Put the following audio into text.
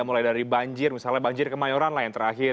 mulai dari banjir misalnya banjir kemayoran lah yang terakhir